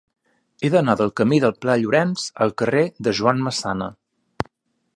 He d'anar del camí del Pla Llorenç al carrer de Joan Massana.